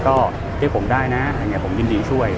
ก็เรียกผมได้นะผมยินดีช่วย